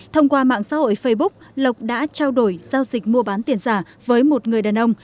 thông qua mạng xã hội facebook lộc đã trao đổi giao dịch mua bán tiền giả với một người đàn ông